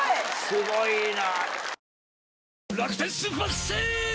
すごいな。